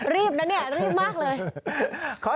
รีบนะเนี่ยรีบมากเลย